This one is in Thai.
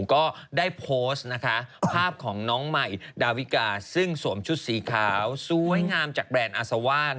ก็ได้โพสต์ภาพของน้องใหม่ดาวิกาซึ่งสวมชุดสีขาวสวยงามจากแบรนด์อาซาว่า